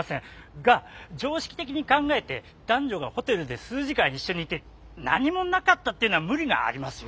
が常識的に考えて男女がホテルで数時間一緒にいて何もなかったと言うのは無理がありますよ。